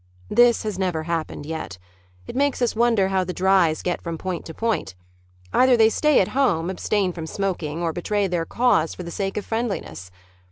This has never happened yet. It makes us wonder how the drys get from point to point. Either they stay at home, abstain from smoking or betray their cause for the sake of friendliness.